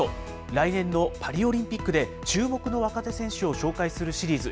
来年のパリオリンピックで、注目の若手選手を紹介するシリーズ。